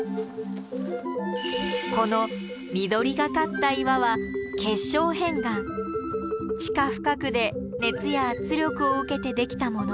この緑がかった岩は地下深くで熱や圧力を受けてできたもの。